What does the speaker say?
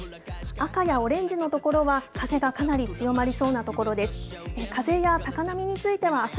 赤やオレンジの所は、風がかなり強まりそうな所です。